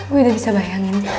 gue udah bisa bayangin